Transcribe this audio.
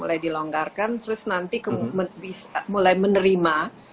mulai dilonggarkan terus nanti mulai menerima